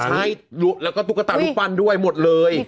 ใช่แล้วก็ตุ๊กตารูปปั้นด้วยหมดเลย